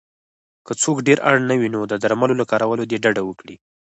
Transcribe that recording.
که څوک ډېر اړ نه وی نو د درملو له کارولو دې ډډه وکړی